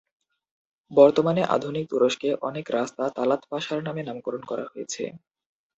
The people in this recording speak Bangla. বর্তমানে আধুনিক তুরস্কে অনেক রাস্তা তালাত পাশার নামে নামকরণ করা হয়েছে।